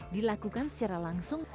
dilakukan secara langsung